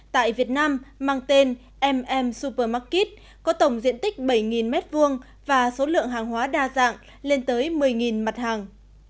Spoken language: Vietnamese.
tại việt nam mang tên mm supermarket có tổng diện tích bảy m hai và số lượng hàng hóa đa dạng lên tới một mươi mặt hàng